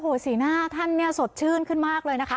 โอ้โหสีหน้าท่านเนี่ยสดชื่นขึ้นมากเลยนะคะ